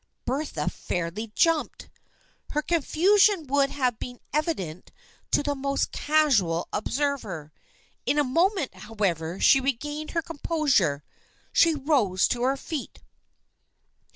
Bertha fairly jumped. Her confusion would have been evident to the most casual observer. In a moment, however, she regained her com posure. She rose to her feet.